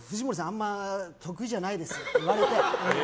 あんまり得意じゃないですと言われて。